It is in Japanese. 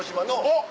あっ！